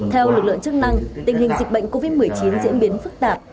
theo lực lượng chức năng tình hình dịch bệnh covid một mươi chín diễn biến phức tạp